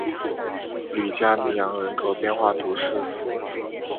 吕加尼昂人口变化图示